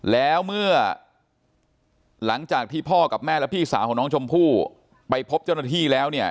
แล้วเมื่อหลังจากที่พ่อกับแม่และพี่สาวของน้องชมพู่ไปพบเจ้าหน้าที่แล้วเนี่ย